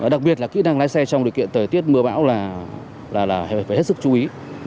đặc biệt là kỹ năng lái xe trong điều kiện thời tiết mưa bão là phải hết sức chú ý